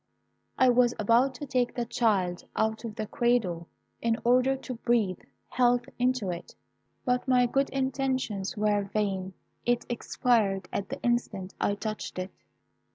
I was about to take the child out of the cradle in order to breathe health into it; but my good intentions were vain: it expired at the instant I touched it.